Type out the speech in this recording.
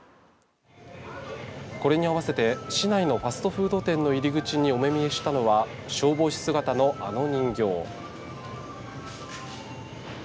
これに合わせて市内のファストフード店の入り口にお目見えしたのは消防士姿の、あの人形。